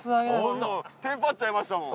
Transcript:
テンパっちゃいましたもん。